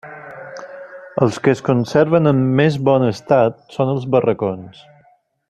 Els que es conserven en més bon estat són els barracons.